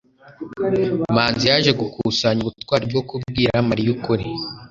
manzi yaje gukusanya ubutwari bwo kubwira mariya ukuri